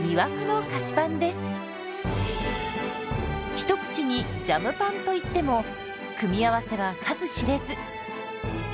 一口に「ジャムパン」といっても組み合わせは数知れず。